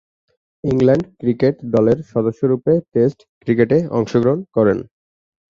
England cricket দলের সদস্যরূপে test ক্রিকেটে অংশগ্রহণ করেন।